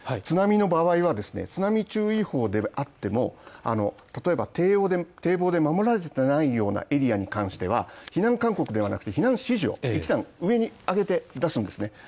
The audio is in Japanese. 津波の場合は津波注意報であっても堤防で守られていないようなエリアに関しては避難勧告ではなくて、避難指示を一段上に上げて出すんですね。